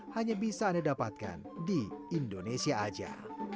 hanya bisa anda dapatkan di indonesia saja